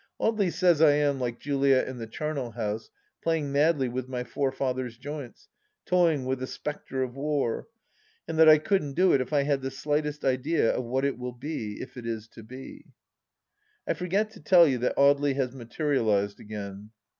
... Audely says I am, like Juliet in the chamel house, playing madly with my forefather's joints, toying with the Spectre of War, and that I couldn't do it if I had the slightest idea of what it will be, if it is to be. ... I forget to tell you that Audely has materialized again.